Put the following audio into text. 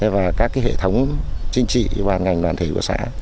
và các hệ thống chính trị và ngành đoàn thể của xã